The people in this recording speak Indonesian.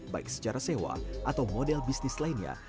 baik secara sewa atau model bisnis lainnya